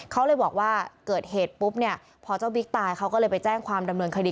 เขาเลยบอกว่าเกิดเหตุปุ๊บเนี่ยพอเจ้าบิ๊กตายเขาก็เลยไปแจ้งความดำเนินคดี